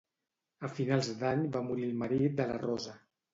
A finals d'any va morir el marit de la Rosa